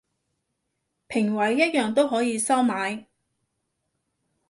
評委一樣都可以收買